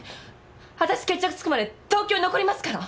わたし決着つくまで東京に残りますから！